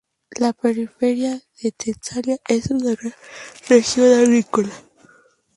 La periferia de Tesalia es una gran región agrícola.